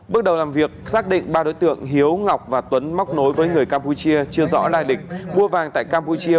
bước đầu làm việc xác định ba đối tượng hiếu ngọc và tuấn móc nối với người campuchia chưa rõ lai lịch mua vàng tại campuchia